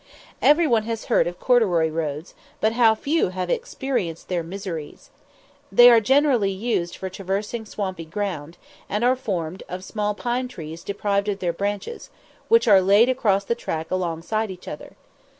Every one has heard of corduroy roads, but how few have experienced their miseries! They are generally used for traversing swampy ground, and are formed of small pine trees deprived of their branches, which are laid across the track alongside each other.